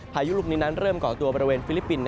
พายุลูกนี้นั้นเริ่มก่อตัวบริเวณฟิลิปปินส